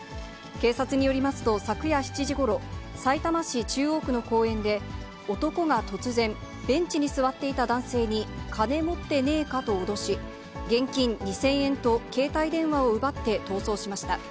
警察によりますと、昨夜７時ごろ、さいたま市中央区の公園で、男が突然、ベンチに座っていた男性に金持ってねえかと脅し、現金２０００円と携帯電話を奪って逃走しました。